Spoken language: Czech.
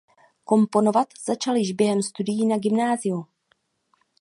Komponovat začal již během studií na gymnáziu.